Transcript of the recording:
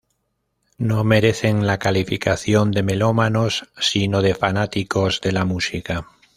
No merecen la calificación de melómanos sino de fanáticos de la música